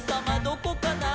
どこかな？」